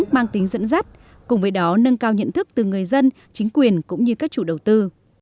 mang tính dẫn dắt cùng với đó nâng cao nhận thức từ người dân chính quyền cũng như các chủ đầu tư